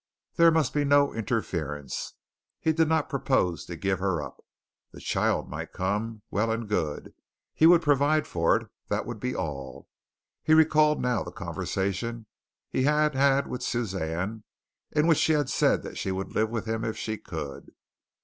There must be no interference. He did not propose to give her up. The child might come. Well and good. He would provide for it, that would be all. He recalled now the conversation he had had with Suzanne in which she had said that she would live with him if she could.